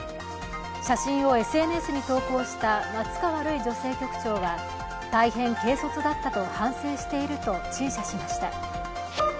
写真をＳＮＳに投稿した松川るい女性局長は大変軽率だったと反省していると陳謝しました。